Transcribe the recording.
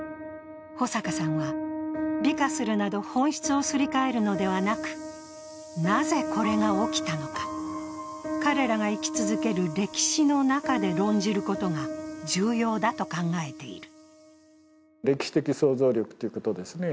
保阪さんは、美化するなど本質をすり替えるなどではなく、なぜ、これが起きたのか、彼らが生き続ける歴史の中で論じることが重要だと考えている。